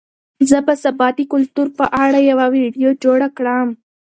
زه به سبا د کلتور په اړه یوه ویډیو جوړه کړم.